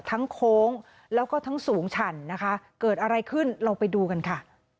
โค้งแล้วก็ทั้งสูงฉันนะคะเกิดอะไรขึ้นเราไปดูกันค่ะ